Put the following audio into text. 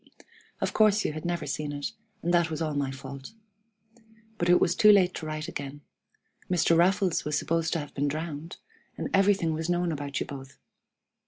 Of course you had never seen it, and that was all my fault. But it was too late to write again. Mr. Raffles was supposed to have been drowned, and everything was known about you both.